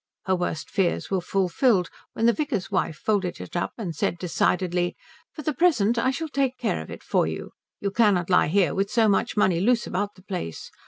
Her worst fears were fulfilled when the vicar's wife folded it up and said decidedly, "For the present I shall take care of it for you. You cannot lie here with so much money loose about the place.